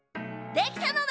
できたのだ！